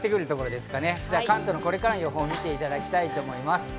関東のこれからの予報を見ていただきたいと思います。